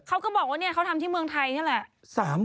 เขาก็บอกว่าเขาทำที่เมืองไทยนี่แหละ